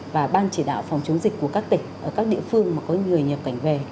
và ban chỉ đạo phòng chống dịch của các địa phương mà có người nhập cảnh về